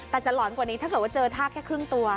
แต่จะหลอนกว่านี้ถ้าเกิดว่าเจอท่าแค่ครึ่งตัว